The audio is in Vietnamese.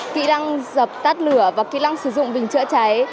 kỹ năng dập tắt lửa và kỹ năng sử dụng bình chữa cháy